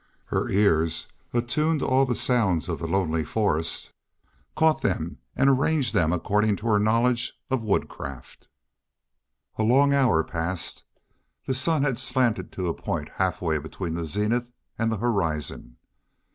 Her ears, attuned to all the sounds of the lonely forest, caught them and arranged them according to her knowledge of woodcraft. A long hour passed by. The sun had slanted to a point halfway between the zenith and the horizon.